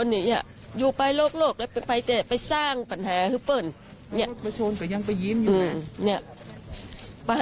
สูงสุดนะครับ